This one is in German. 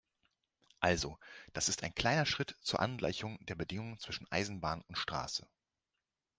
Also, das ist ein kleiner Schritt zur Angleichung der Bedingungen zwischen Eisenbahn und Straße.